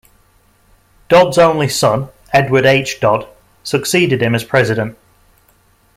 Dodd's only son, Edward H. Dodd, succeeded him as president.